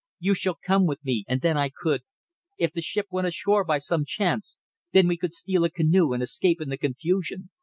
You shall come with me and then I could ... If the ship went ashore by some chance, then we could steal a canoe and escape in the confusion.